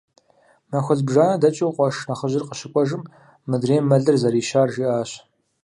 Махуэ зыбжанэ дэкӀыу къуэш нэхъыжьыр къыщыкӀуэжым, мыдрейм мэлыр зэрищар жриӀащ.